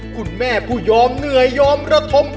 คุณแม่ผู้ยอมเหนื่อยยอมระทม